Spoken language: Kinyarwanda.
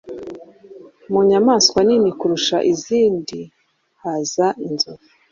Mu nyamaswa nini kurusha izindi, haza inzovu,